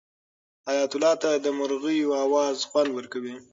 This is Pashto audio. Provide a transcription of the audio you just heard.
حیات الله ته د مرغیو اواز خوند ورکوي.